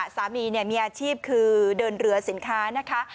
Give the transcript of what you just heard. สามีมีอาชีพคือเดินเรือสินค้านะคะ